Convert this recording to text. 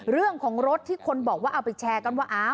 เรื่องของรถที่คนบอกว่าเอาไปแชร์กันว่า